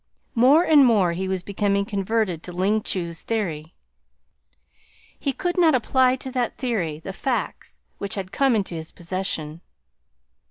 More and more he was becoming converted to Ling Chu's theory. He could not apply to that theory the facts which had come into his possession.